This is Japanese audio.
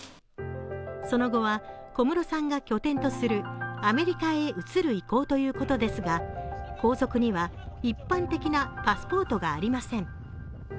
その後は小室さんが拠点とするアメリカへ移る意向ということですが皇族には一般的なパスポートがありません。